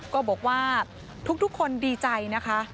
ก็บอกว่าทุกคนดีใจนะคะ